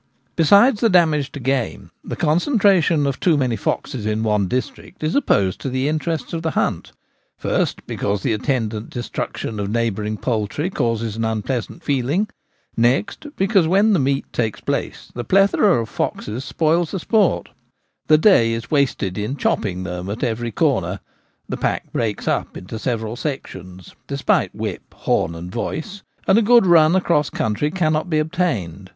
Besides the damage to game, the concentration of too many foxes in one district is opposed to the interest of the hunt — first, because the attendant destruction of neighbouring poultry causes an un Reynard Utilised. 25 pleasant feeling ; next, because when the meet takes place the plethora of foxes spoils the sport The day is wasted in ' chopping ' them at every corner ; the pack breaks up into several sections, despite whip, horn, and voice; and a good run across country cannot be obtained.